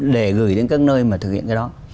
để gửi đến các nơi mà thực hiện cái đó